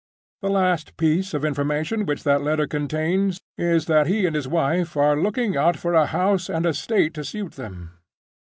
The last piece of information which that letter contains is that he and his wife are looking out for a house and estate to suit them.